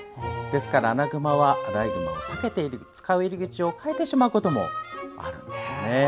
ですから、アナグマはアライグマを避けて使う入り口を変えることもあるんですよ。